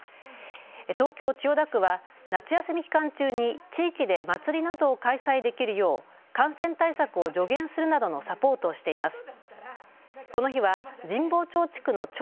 東京千代田区は夏休み期間中に地域で祭りなどを開催できるよう感染対策を助言するなどのサポートをしています。